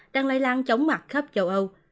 đang lây lan chống mặt khắp châu âu